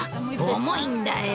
重いんだよ。